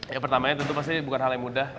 ya pertamanya tentu pasti bukan hal yang mudah